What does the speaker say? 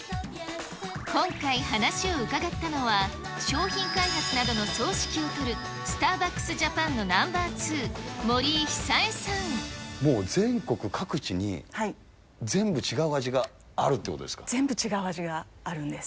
今回話を伺ったのは、商品開発などの総指揮を執る、スターバックスジャパンのナンバー２、もう全国各地に、全部違う味全部違う味があるんです。